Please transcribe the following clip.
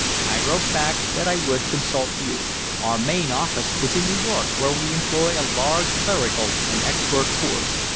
I wrote back that I would consult you. "Our main office is in New York, where we employ a large clerical and expert force.